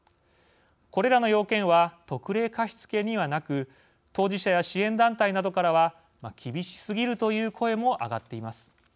これらの要件は特例貸付にはなく当事者や支援団体などからは厳しすぎるという声も上がっています。